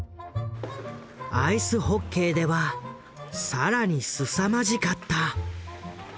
アイスホッケーでは更にすさまじかった。